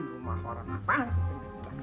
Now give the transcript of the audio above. aduh mah orang apaan